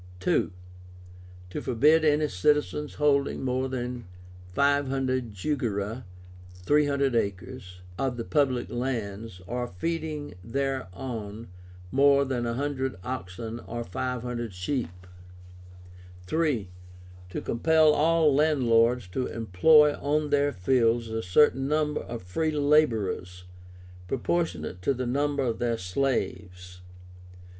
II. To forbid any citizen's holding more than 500 jugera (300 acres) of the public lands, or feeding thereon more than 100 oxen or 500 sheep. III. To compel all landlords to employ on their fields a certain number of free laborers, proportionate to the number of their slaves.